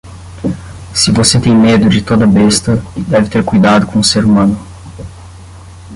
Se você tem medo de toda besta, deve ter cuidado com o ser humano.